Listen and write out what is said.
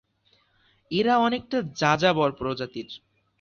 এরা অনেকটা যাযাবর প্রজাতির।